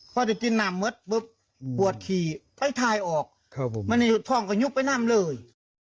พอนึกนั้นปวดขี่ไถ่ออกมันจะท้องกระยุกต์ไปนั่นเลย